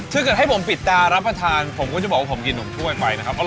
คือเกิดให้ผมปิดตารับประทานผมก็จะบอกว่าผมกินนมถ้วยไปนะครับ